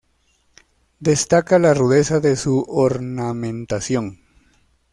Destaca la rudeza de su ornamentación.